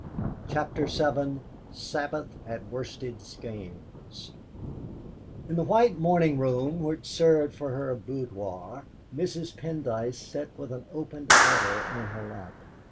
CHAPTER VII SABBATH AT WORSTED SKEYNES In the white morning room which served for her boudoir Mrs. Pendyce sat with an opened letter in her lap.